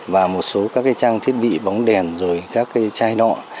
và một số các trang thiết bị bóng đèn rồi các chai nọ